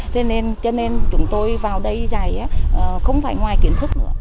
thế nên chúng tôi vào đây giải không phải ngoài kiến thức nữa